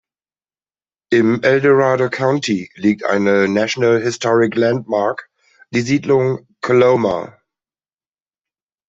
Im El Dorado County liegt eine National Historic Landmark, die Siedlung Coloma.